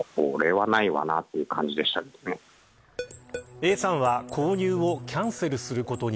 Ａさんは購入をキャンセルすることに。